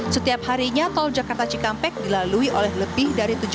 setiap harinya tol jakarta cikampek dilalui oleh lebih dari tujuh puluh ribu kendaraan